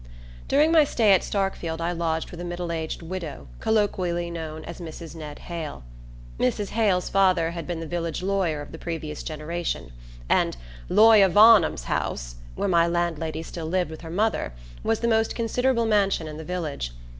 During my stay at Starkfield I lodged with a middle aged widow colloquially known as Mrs. Ned Hale. Mrs. Hale's father had been the village lawyer of the previous generation, and "lawyer Varnum's house," where my landlady still lived with her mother, was the most considerable mansion in the village.